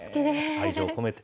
愛情込めて。